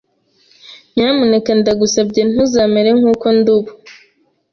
Nyabuneka ndagusabye ntuzamere nk’uko ndi ubu